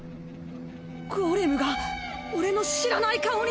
ゴーレムが俺の知らない顔に！